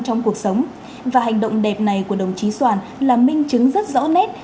những khó khăn trong cuộc sống và hành động đẹp này của đồng chí soàn là minh chứng rất rõ nét